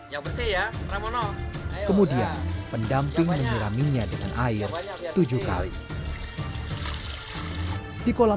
yang bersih ya ramono kemudian pendamping menyiraminya dengan air tujuh kali di kolam